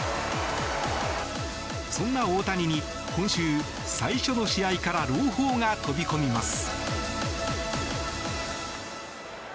そんな大谷に、今週最初の試合から朗報が飛び込みます。